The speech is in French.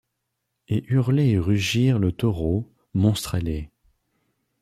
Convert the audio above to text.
Et hurler et rugir le taureau, monstre ailé